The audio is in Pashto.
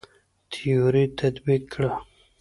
تيوري تطبيق کړه.